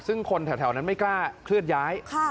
ซึ่งคนแถวนั้นไม่กล้าเคลื่อนย้าย